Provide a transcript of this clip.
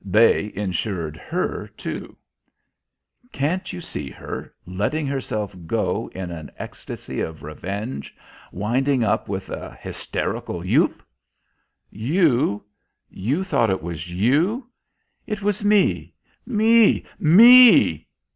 They insured her, too. Can't you see her, letting herself go in an ecstasy of revenge, winding up with a hysterical youp? "You? You thought it was you? It was me me ME....